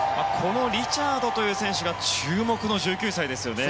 リチャードという選手が注目の１９歳ですよね。